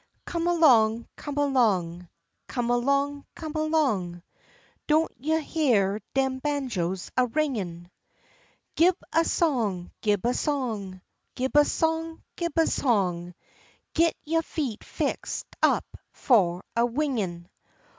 Come along, come along, Come along, come along, Don't you heah dem banjos a ringin'? Gib a song, gib a song, Gib a song, gib a song, Git yo' feet fixed up fu' a wingin'.